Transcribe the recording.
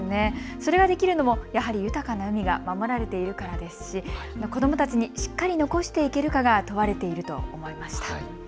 それができるのもやはり豊かな海が守られているからですし、子どもたちにしっかり残していけるかが問われていると思いました。